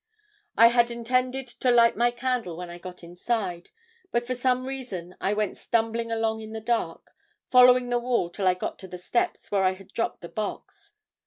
"I had intended to light my candle when I got inside; but for some reason I went stumbling along in the dark, following the wall till I got to the steps where I had dropped the box.